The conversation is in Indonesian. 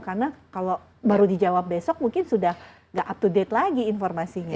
karena kalau baru dijawab besok mungkin sudah tidak up to date lagi informasinya